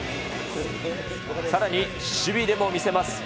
さらに、守備でも見せます。